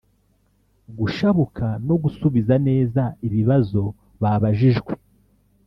gushabuka no gusubiza neza ibibazo babajijwe